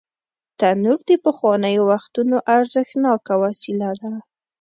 تنور د پخوانیو وختونو ارزښتناکه وسیله ده